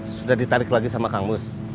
sudah ditarik lagi sama kang bus